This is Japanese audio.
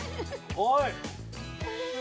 おい！